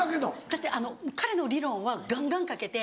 だって彼の理論はガンガンかけて